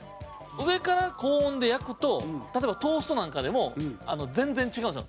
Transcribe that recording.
上から高温で焼くと例えば、トーストなんかでも全然違うんですよ。